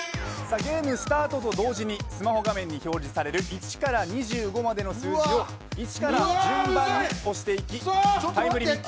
ゲームスタートと同時にスマホ画面に表示される１から２５までの数字を１から順番に押していきタイムリミット